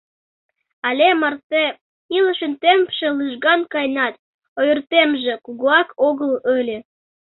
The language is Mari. Але марте илышын темпше лыжган каенат, ойыртемже кугуак огыл ыле.